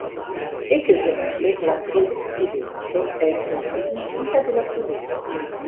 Ekzemple, la produktiveco estas limigita de la poluo.